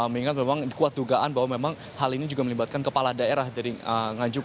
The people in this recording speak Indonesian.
mengingat memang kuat dugaan bahwa memang hal ini juga melibatkan kepala daerah dari nganjuk